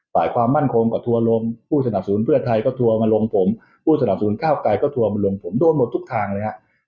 ฝ่ายความมั่นคงก็ทัวร์ลงผู้สนับสนุนเพื่อไทยก็ทัวร์มาลงผมผู้สนับสนุนก้าวไกลก็ทัวร์มาลงผมโดนหมดทุกทางเลยครับ